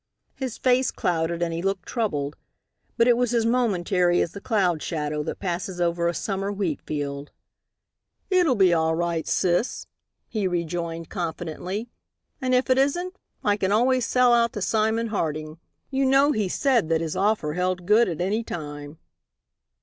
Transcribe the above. His face clouded and he looked troubled. But it was as momentary as the cloud shadow that passes over a summer wheat field. "It'll be all right, sis," he rejoined, confidently, "and if it isn't, I can always sell out to Simon Harding. You know he said that his offer held good at any time."